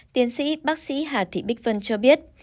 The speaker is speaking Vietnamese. tiến sĩ bác sĩ hà thị bích vân cho biết